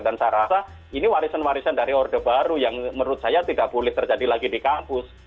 dan saya rasa ini warisan warisan dari orde baru yang menurut saya tidak boleh terjadi lagi di kampus